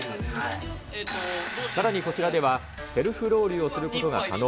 さらにこちらでは、セルフロウリュウをすることが可能。